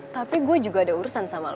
tapi gue juga ada urusan sama lo